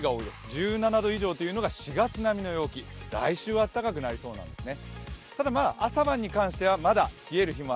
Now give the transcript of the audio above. １７度以上というのは４月並みの陽気来週は暖かくなりそうなんですね。